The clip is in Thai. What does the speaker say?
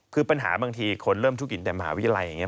คือปัญหาบางทีคนเริ่มธุรกิจแต่มหาวิทยาลัยอย่างนี้